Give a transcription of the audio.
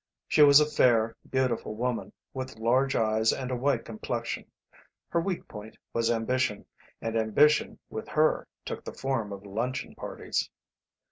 She was a fair, beautiful woman, with large eyes and a white complexion. Her weak point was ambition, and ambition with her took the form of luncheon parties.